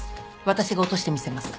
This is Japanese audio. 私が落としてみせます。